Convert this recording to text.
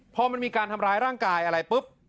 พอมันมีการทำร้ายร่างกายอะไรปุ๊บ